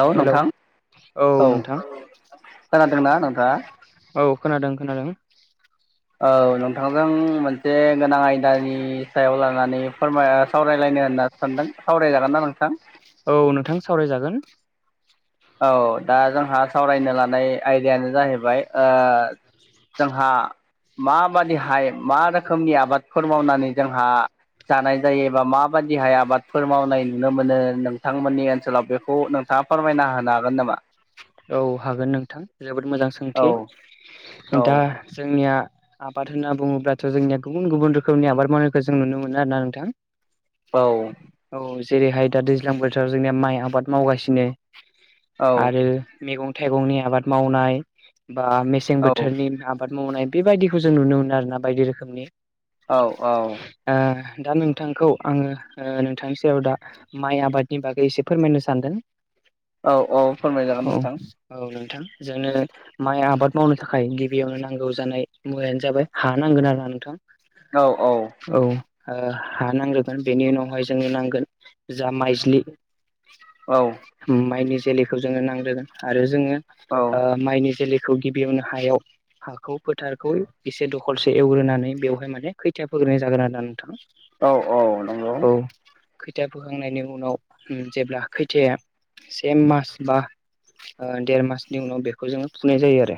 Hello नोंथां औ। खोनादोंना नोंथाङा? औ खोनादों खोनादों। औ नोंथांजों मोनसे गोनां आयदानि सायाव लानानै फोरमाय सावरायलायनो होनना सानदों सावरायजागोन ना नोंथां। औ नोंथां सावरायजागोन औ दा जोंहा सावरायनो लानाय आयदायानो जाहैबाय ओ जोंहा माबादिहाय मा रोखोमनि आबादफोर मावनानै जोंहा जानाय जायो बा माबायदिहाय आबादफोर मावनाय नुनो मोनो नोंथांमोननि ओनसोलाव बेखौ नों ङा फोरमायना होनो हागोन नामा? औ हागोन नोंथां जोबोद मोजां औ सोंथि औ दा जोंनिया आबाद होनना बुंङोब्लाथ' जोंनिया गुबुन गुबुन रोखोमनि आबाद मावनायखौ जों नुनो मोनो आरो ना नोंथां। औ। औ जेरैहाय दा दैज्लां बोथोराव जोंनिया माइ आबाद मावगासिनो औ आरो मैगं थाइगंनि आबाद मावनाय बा मेसें बोथोरनि आबाद आबाद मावनाय बेबायदिखौ जों नुनो मोनो आरोना बायदि रोखोमनि औ औ। ओ दा नोंथांखौ आंङो नोंथांनि सेरायाव दा माइ आबादनि बागै एसे फोरमायनो सानदों। औ औ फोरमायजागोन औ नोंथां। औ नोंथां जोंनो माइ आबाद मावनो थाखाय गिबियावनो नांगौ जानाय मुवायानो जाबाय हा नांगौ। खोना नोंथां। औ औ। ओ हा नांग्रोगोन बेनि उनावहाय जोंङोनो नांगोन जा माइज्लि औ माइनि जोलैखौ जोंङो नांदों आरो जोङो औ माइनि जैखौ खौ गिबियावनो हायाव हाखौ फोथारखौ एसे दखलसे एवग्रोनानै बेवहाय माने खैथायया फोग्रोनाय जागोन आरो ना नोंथां। औ औ नंगौ। खैथा बोखांनायनि उनाव जेब्ला खैथाया से मास बा देर मासनि उनाव बेखौ जोंङो फुनाय जायो आरो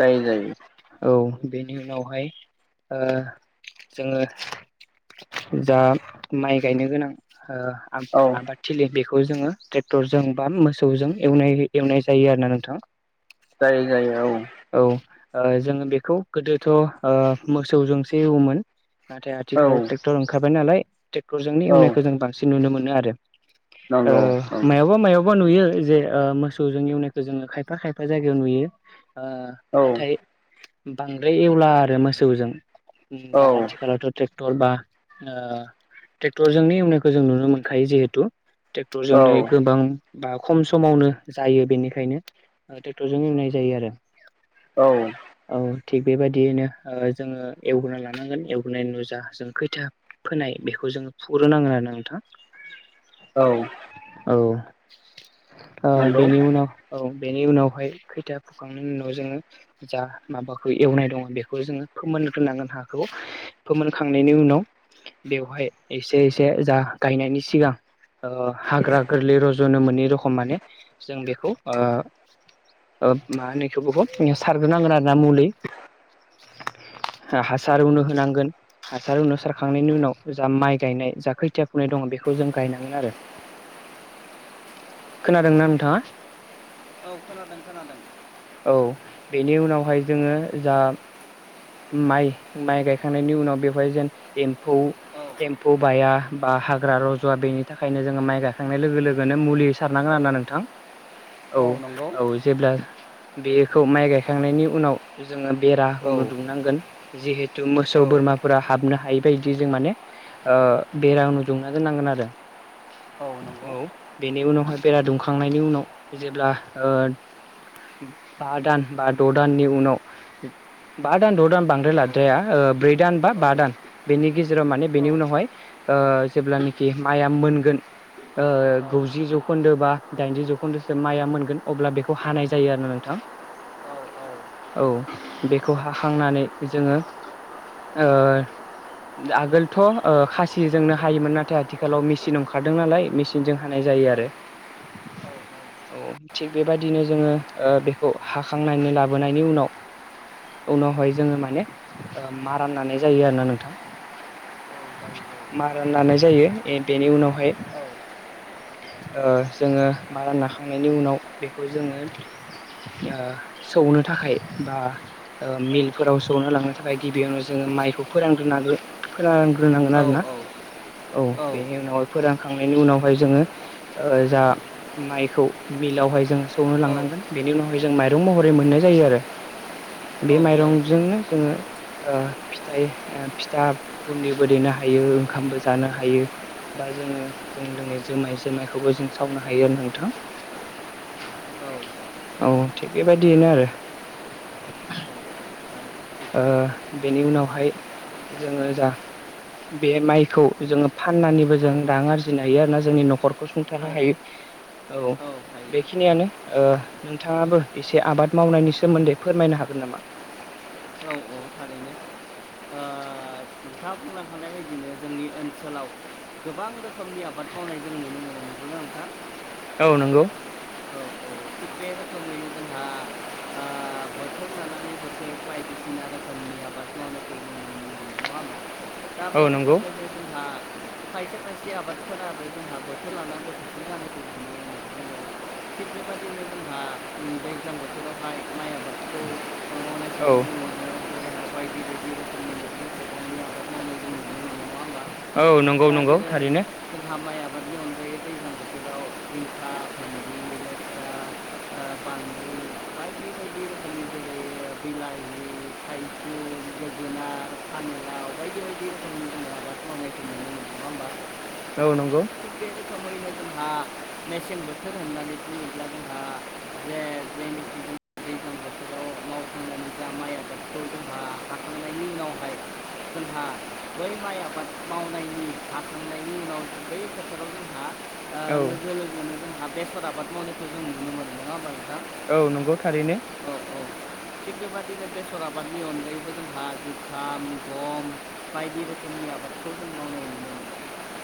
जायो जायो। औ बेनि उनावहाय जोंङो जा माइ गायनो गोनां औ आबादथिलि बेखौ जोंङो ट्रेक्टरजों बा मोसौजों नाय एवनाय जायो आरो ना नोंथां। जायो जायो औ औ जोंङो बेखौ गोदोथ' ओ मोसौजोंसो एवोमोन। नाथाय औ आथिखालाव ट्रेक्टर ओंखारबाय नालाय ट्रेक्टरजोंनो औ एवनायखौ जों बांसिन नुनो मोनो आरो। ओ नंगौ नंगौ मायावबा मायावबा बा नुयो जे मोस जजों एवनायखौ जोंङो खायफा खायफा जायगायाव नुयो। औ नाथाय बांद्राय एवला आरो मोसौजों। औ दा आथिखालावथ' ट्रेक तेक्टल बा ओ ट्रेक्टरजों नुनो जों नुनो मोनखायो जिहेथु। ट्रेक्टरजोंनो गोबां बा खम समावनो जायो बेनिखायनो ट्रेक्टरजों एवनाय जायो आरो। औ औ थिग बेबायदियैनो ओ जोङो एवग्रोनना लानांगोन एवग्रोनाय नुजा जों खैथा फोनाय बेखौ जोंङो फुरोनांगोन आरो नोंथां। औ औ नंगौ बेनि उनाव औ बेनि उनावहाय खैथा सखांनायनि उनाव जोंङो जा माबाखौ एवनाय दङो बेखौ जोंङो फोमोनग्रोनांगोन हाखौ। फोमोनखांनायनि उनाव बेवहाय एसे एसे जा गायनायनि सिगां ओ हाग्रा गोरलै रज'नो मोनै रज खम माने जों बेखौ ओ ओ मा होनैखौ बहुद सारग्रोनांगोन आरोना मुलि। [inaudible] आं हासार रुनो होनांगोन हासार रुनो सारखांनायनि उनाव जा माइ गायनाय जा खोथिया फुनाय दं बेखौ जों गायनांगोन आरो। [inaudible] खोनादोंना नोंथांङा? औ खोनादों खोनादों औ बेनि उनावहाय जोंङो जा उम माइ माइ गायखांनायनि उनाव बेवहाय जेन एम्फौ औ एम्फौ बाया बा हाग्रा रजवा बेनि थाखायनो जोङो माइ गायखांनाय लोगो लोगोनो मुलि सारनांगोन औ आरोना नोंथां। [inaudible] औ नंगौ औ जेब्ला बेखौ माइ गायखांनायनि उनाव जोङो बेरा औ उनु दुंनांगोन। जिहेथु मोसौ औ बोरमाफोरा हाबनो हायि बायदि जों माने ओ बेरामखौ दुंना दोन नांगोन आरो। औ नंगौ औ बेनि उनावहाय बेरा दुमखांनायनि उनाव जेब्ला ओ [inaudible] बा दान बा द' दाननि उनाव बा दान द' दान बांद्राय औ लाद्राया ओ ब्रै दान बा औ बा दान बेनि गेजेराव माने औ बेनि उनावहाय ओ जेब्लानाखि माइया मोनगोन ओ गुजि जौखोन्दो बा दाइनजि जौखोन्दोसो माइआ मोनगोन अब्ला बेखौ हानाय जायो आरो। नोंथां। औ बेखौ हाखांनानै जोङो ओ आगोलथ' खासिजोंनो हायोमोन नाथाय आथिखालाव मेचिन अंखारदों नालाय मेचिनजों हानाय जायो जायो आरो। औ औ थिग बेबायदिनो जोङो ओ बेखौ हाखांनानै लाबोनायनि उनाव उनावहाय जोङो माने ओ मारा नानाय जायो आरोना नोंथां। मारा नानाय जायो ए बेनि उनावहाय ओ जोङो मारा नाखांनायनि उनाव बेखौ जोङो ओ सौनो थाखाय बा ओ मिलफोराव सौना लांनो थाखाय गिबियावनो जोङो माइखौ फोरानग्रोनांगो फोरान फोराननांगोन आरो ना औ बेनि उनावहाय फोरां खांनायनि उनावहाय जोङो जा माइखौ मिलावहाय जोङो सौनो औ लांनांगोन। बेनि उनावहाय जों माइरं महरै मोननाय जायो आरो बे जायो जायो माइरंजोंनो जोङो ओ फिथाइ फिथा गुदिबो देनो हायो ओंखामबो जानो हायो बा जोङो जों लोंनाय जोमाय जोमायखौबो जों सावनो हायो आरो नोंथां। औ औ थिग बेबायदियैनो आरो बेनि उनावहाय जोङो जा बे माइखौ जोङो फाननानैबो औ जों औ रां आरजिनो हायो आरोना जोंनि न'खरखौ सुंथानो हायो। औ बेखिनियानो ओ नोंथाङाबो एसे आबाद मावनायनि सोमोन्दै फोरमायनो हागोन नामा? [inaudible] औ थारैनो ओ नोंथाङा बुंलांखानाय बायदिनो जोंनि ओनसोलाव गोबां रोखोमनि आबाद मावनाय जों नुनोमोनो नोंगौना नोंथां। औ नंगौ बेे रोखोमैनो जोंहा आ बायदिसिना रोखोमनि आबाद मावनायखौ जों नुनो मोनो। नङा होमबा दा बै औ नंगौ रोखोमैनो जोंहा खायसे खायसे आबादफोराबो जोंहा बोथोर लानानै बोथोरखौ [inaudible] आ थिग बेबायदिनो जोंहा बे दैज्लां बोथोरबावहाय माइ आ औ [unintelligible] नङा होमबा औ नंगौ नंगौ थारैनो बेदि अनगायै दैजां बोथोराव [inaudible] ओ बानलु बायदि बायदि रोखोमनि जेरै बिलाहि थाइजौ जोगोनार फानिलाव बायदि बायदि आबाद मावनायखौ नुनोमोनो नङा होनबा औ नंगौ [unintelligible] जोंहा मेसें बोथोर होननानै बुङोब्ला जोंहा जे जेनोखि मेसें बोथोराव मावखांनानै जाहा माइ आबादखौ जोंहा हाखांनायनि उनावहाय जोंहा बै माइ आबाद मावनायनि हाखांनायनि उनाव बै फोथोराव जोंहा औ लोगो लोगोनो जोंहा बेसर आबाद मावनायखौ जों नुनो मोनदों नङा होमबा नोंथां औ नंगौ थारैनो औ औ थिग बेबादिनो बेसर आबादनि अनगायैबो जोंहा जुखाम गम बायदि रोखोमनि आबादखौबो मावनाय नुनो मोनो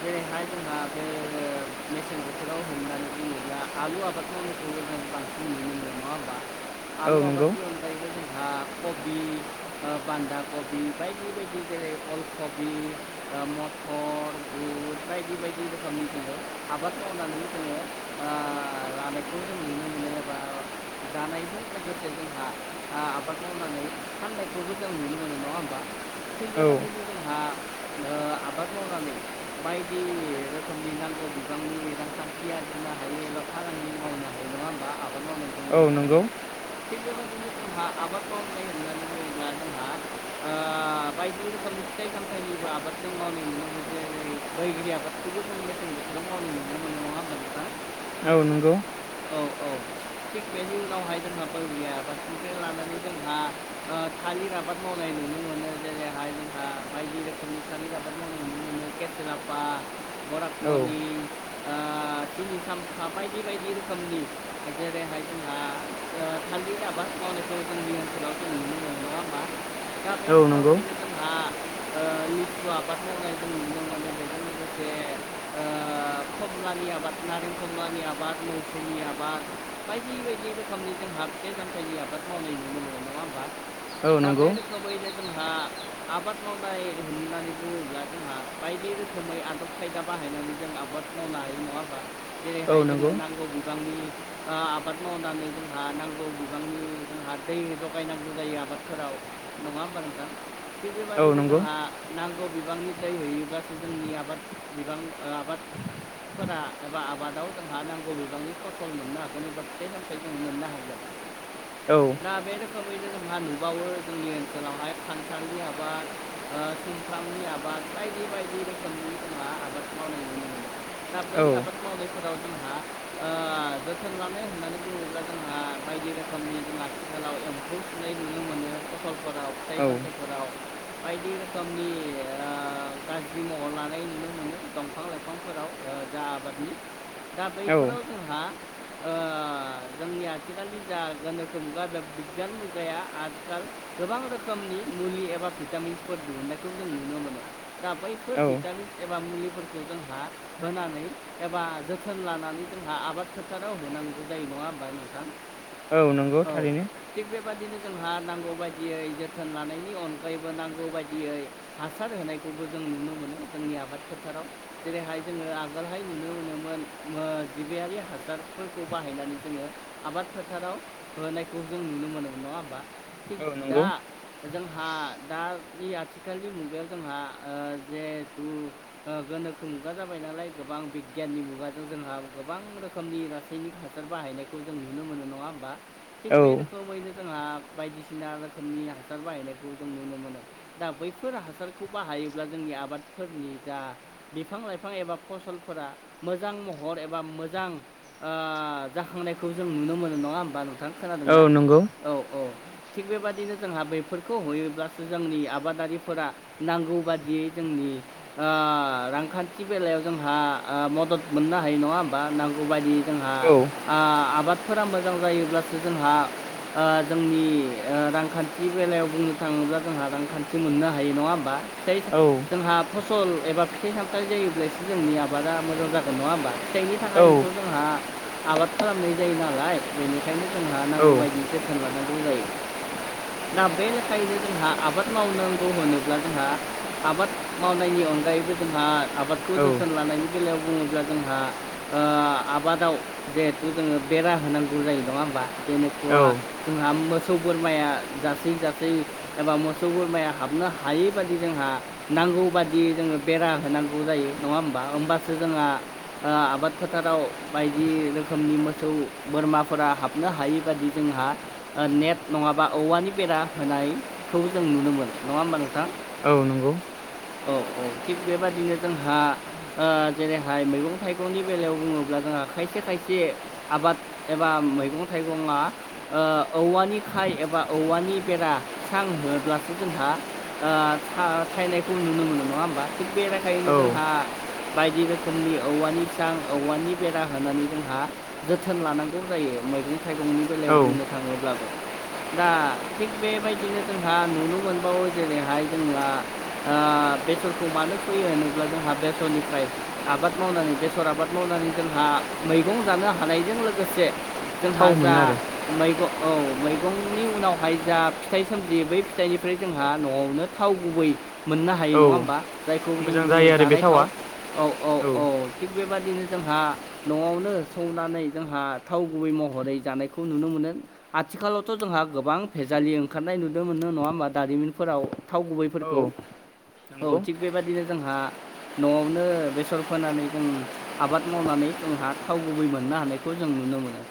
जेरैहाय जोंहा बे मेसें बोथोराव होनानै बुङोब्ला आलु आबादखौ [unintelligible] बांसिन नुनो मोनो नङा होनबा औ आलु नंगौ आबादनि अनगायैबो बा कबि बान्दा कबि बायदि बायदि जेरै अल कबि मटर बुट बायदि बायदि रोखोमनि जोङो आबाद मावनाय जानायखौ जों नुनो मोननो एबा जानायजों लोगोसे जोंहा आबाद मावनानै फाननायखौबो जों नुनो मोनो नङा होमबा थिग औ बेबादिनो जोंहा आबाद मावनानै बायदि रोखोमनि नांगौ बिबांनि रांखानथि आरजिनो हायो एबा खामानि मावनो हायो नङा होमबा आबाद मावनानै औ नंगौ थिग बेबादिनो जोंहा आबाद मावनाय होननानै बुब्ला जोंहा बायदि रोखोमनि फिथाइ सामथाइनिबो आबाद जों मावनाय नुमोन जेरै बैग्रि आबादखौबो जों मेसें बोथोराव मावनाय नुनो मोन दों नङा होनब्ला नोंथां औ नंगौ औ औ थिक बेनि उनावहाय जोंहा बैग्रि आबादनिफ्राय लानानै जोंहा थालिर आबाद मावनाय नुनो मोनो जेरैहाय जोंहा बायदि रोखोमनि सानि आबाद मावनाय नुनो मोनो केसेरापा औ बरातमनि [unintelligible] [unintelligible] बायदि बायदि रोखोमनि जेरैहाय जोंहा थालिर आबाद मावनायखौ जोंनि ओनसोलाव नुनो मोनो नङा होनबा नाथाय औ नंगौ अब्लाबो जोंहा [unintelligible] [unintelligible] आबाद मावनायखौ नुदों मोनो बेजों लोगोसे खोब मानि आबाद माव नारें खमलानि आबाद मौसुमि आबाद बायदि बायदि रोखोमनि जोंहा बे फिथाइ सामथाइनि आबाद खौ मावनाय नुनो मोनो नङा होमबा औ दा बे नंगौ रोखोमयैनो जोंहा आबाद मावनाय होननानै बुङोब्ला जोंहा बायदि रोखोमै आदब खायदा बाहायनानै जों आबाद मावनो हायो नङा होमबा औ जेरैहाय नंगौ जोंनो नांगौ बिबांनि आबाद मावनानै जोंहा नांगौ बिबांनि जोंहा दै जगायनांगौ जायो आबादफोराव नङा होमबा नोंथां थिग औ बेबदिनो नंगौ जोंहा नांगौ बिबांनिफ्राय होयोब्लासो जोंनि आबाद बिबां आबाद फोरा एबा आबादाव जोंहा नांगौ बिबांनि फसल मोननो हागोन एबा फिथाइ सामथाइ जों मोननो हागोन औ दा बे रोखोमैनो जोंहा नुबावो जोंनि ओनसोलावहाय खानथालनि आबाद सुमफ्रामनि आबाद बायदि बायदि रोखोमनि जोंहा आबाद मावनाय नुनो मोनो दा बै औ आबाद मावनायफोराव जोंहा जोथोन लानो होननानै बुङोब्ला जोंहा बायदि रोखोमनि जोंहा आथिखालाव एम्फौ सुनाय नुनो मोनो फसलफोराव फिथाइ औ सामथाइफोराव बायदि रोखोमनि गाज्रि महर लानाय नुनो मोनो दंफां लाइफांफोराव जा आबादनि दा बैफोराव औ जोंहा जोंनि आथिखालनि जा गोनोखो मुगा बे बिगियान मुगाया आथिखाल गोबां रोखोम नि मुलि एबा भिटामिस दिहुननायखौ जों नुनो मोनो दा बैफोर औ भिटाम एबा मुलि फोरखौ जोंहा होनानै एबा जोथोन लानानै जोंहा आबाद फोथाराव होनांगौ जायोमोन नङा होमबा नोंथां औ नंगौ थारैनो बेबायदिनो जोंहा नांगौ बायदियै जोथोन लानायनि अन गायैबो नांगौ बायदियै हासार होनायखौबो जों नुनो मोनो जोंनि आबाद फोथाराव जेरैहाय जोङो आगोलहाय नुनो मोनोमोन जिबियारि हासारफोरखौ बाहायनानै जोङो आबाद फोथाराव होनायखौ जों नुनो मोनोमोन नङा होमबा थिग औ दा नंगौ जोंहा दा बे आथिखालनि मुगायाव जोंहा जिहेथु गोनोखो मुगा जाबाय नालाय गोबां बिगियाननि मुगाजों जोंहा गोबां रोखोमनि रासायनिक हासार बाहायनायखौ जों नुनो मोनो नङा होमबा थिग औ बे रोखोमैनो जोंहा बायदिसिना रोखोमनि हासार बाहायनायखौ जों नुनो मोनो। दा बैफोर हासारखौ बाहायोब्ला जोंनि आबादफोरनि जा बिफां लाइफां एबा फसल फोर मोजां महर एबा मोजां जाखांनायखौ जों नुनो मोनो नङा होमबा नोंथां औ खोनादोंना नंगौ औ औ थिग बेबाददिनो जोंहा बेफोरखौ हयो थोजासे जोंनि आबादारिफोरा नांगौ बादियै जोंनि आ रांखान्थि बे बेलायाव जोंहा मदद मोननो हायो नङा होमबा नांगौ बायदि जोंहा औ आबाद फोर मोजां जायोब्लासो जोंहा जोंनि रांखान्थि बेलायाव बुङो थाङोब्ला जोंहा रांखान्थि मोननो हायो नङा होमबा औ जोंहा फसल एबा फिथाइ सामथाइ जायोब्लासो जोंनि आबा बादा मोजां जागोन नङा होमबा फिथाइनि औ थाखायनोथ' जोंहा आबाद खालामनाय जायो नालाय बेनि खायनो जोंहा नांगौ बायदि जोथोन लानांगौ जायो। बेनिखायनो जोंहा आबाद मावनांगौ होनोब्ला जोंहा आबाद मावनायनि अनगायैबो जोंहा आबादखौ औ जोथोन लानायनि बेलायाव बुङोब्ला जोंहा आबादाव जिहेथु जोङो बेरा होनांगौ जायो नङा होमबा जेन'खा औ जोंहा मोसौ बोरमाया जासेै जा एबा मोसौ बोरमाया हाबनो हायै बादि जोंहा नांगौ बादि जोङो बेरा हो नांगौ जायो नङा होमबा होमबासो जोंहा आबाद फोथाराव बायदि रोखोमनि मो सौ बोरमाफोरा हाबनो हायि बाददि जोंहा नेट नङाबा औवानि बेरा होनायखौ जों नुनोमोन नङा होमबा नोंथां। औ नंगौ। औ औ थिग बेबदिनो जोंहा जेरैहाय मैगं थाइगंनि बेलायाव बुङोब्ला जों खायसे खायसे आबाद एबा मैगं थाइगङा औवानि खाय एबा औवानि बेरा सां होनोब्लासो जोंहा थायनायखौ नुनो मोनो नङा होमबा थिग बेबादिनो औ जोंहा बायदि रोखोमनि औवानि सां औवानि बेरा होनानै जोंहा जोथोन लानांगौ जायो मैगं थाइगंनि बेलायाव औ बुंनो थाङोब्लाबो दा थिग बेबायदिनो जोंहा नुनो मोनबावो जेरैहाय जोंना बेसरखौ मानो। फोयो होनोब्ला जोंहा बेसरनिफ्राय आबाद मावनानै बेसर आबाद मावनानै जोंहा मैगं जानो हानायजों लोगोसे जोंहा थाव जा मोनो आरो मैगं औ मैगंनि उनावहाय जा फिथाइ सोमजियो बै फिथाइनिफ्राय जोंहा न'आवनो थाव गुबै मोननो हायो औ नङा होमबा जायखौ जों मोजां बुङो जायो आरो बे जानाय थाव थावा औ औ औ थिग बेबादिनो जोंहा न'आवनो संनानै जोंहा थाव गुबै महरै जानायखौ नुनो मोनो। आथिखालावथ' जोंहा गोबां भेजालि ओंखारनाय नुदों मोनो नङा होमबा दारिमिनफोराव थाव गुबैफोरखौ औ औ नंगौ थिग बेबादिनो जोंहा न'आवनो बेसर फोनानै जों आबाद मावनानै जोंहा थाव गुबै मोननो हानायखौ जों नुनो मोनो।